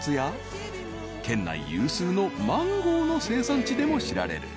［県内有数のマンゴーの生産地でも知られる］